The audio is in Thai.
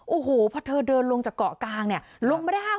โอ้โหพอเธอเดินลงจากเกาะกลางเนี่ยลงมาได้ห้าม